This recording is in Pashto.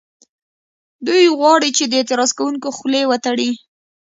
دوی غواړي چې د اعتراض کوونکو خولې وتړي